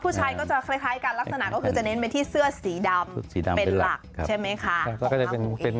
ผู้ชายก็จะคล้ายกันลักษณะก็คือจะเน้นไปที่เสื้อสีดำเป็นหลักใช่ไหมคะ